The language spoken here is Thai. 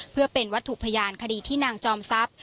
เพื่อเป็นวัตถุพยานคดีที่นางจอมทรัพย์